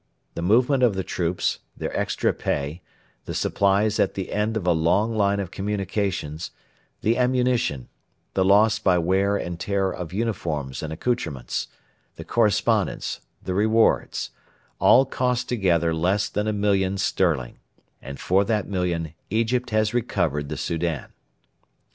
The movement of the troops, their extra pay, the supplies at the end of a long line of communications, the ammunition, the loss by wear and tear of uniforms and accoutrements, the correspondence, the rewards, all cost together less than a million sterling; and for that million Egypt has recovered the Soudan.